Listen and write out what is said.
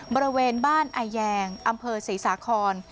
บริเวณบ้านอาแยงอำเภอศรีสาคร